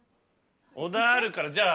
お題あるからじゃあ。